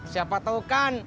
siapa tau kan